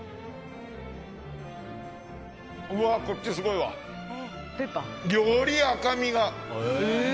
うわ、こっちすごいわ！より赤身が。